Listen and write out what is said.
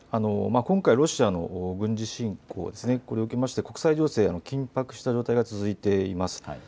今回、ロシアの軍事侵攻、これを受けまして国際情勢の緊迫した状態が続いています。